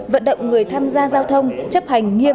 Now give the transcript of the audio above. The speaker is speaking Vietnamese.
vận động người tham gia giao thông chấp hành nghiêm